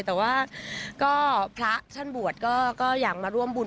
แต่ว่าก็พระท่านบวชก็อยากมาร่วมบุญ